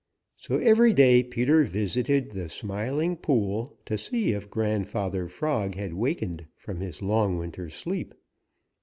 So every day Peter visited the Smiling Pool to see if Grandfather Frog had wakened from his long winter sleep.